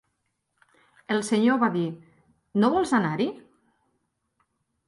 El senyor va dir: "No vols anar-hi?".